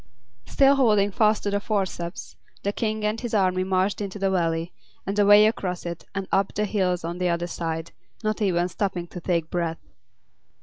Still holding fast to the forceps, the King and his army marched into the Valley, and away across it, and up the hills on the other side, not even stopping to take breath.